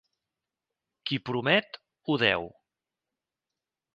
Qui promet ho deu.